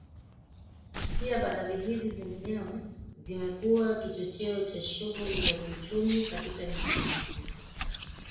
Pia bandari hizi zenyewe zimekuwa kichocheo cha shughuli za kiuchumi katika nchi husika